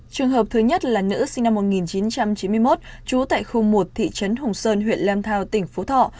trường hợp thứ nhất là nữ sinh năm một nghìn chín trăm chín mươi một trú tại khu một thị trấn hùng sơn huyện lâm thao tỉnh phú thọ